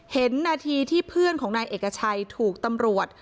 เห็นนาทีที่เพื่อนของนายเอกชัยถูกตำรวจ